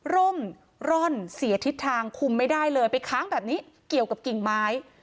ร่มร่อนเสียทิศทางคุมไม่ได้เลยไปค้างแบบนี้เกี่ยวกับกิ่งไม้